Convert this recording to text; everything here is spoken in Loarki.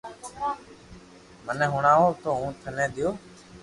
مني ھڻاو تو ھون ٽني ديو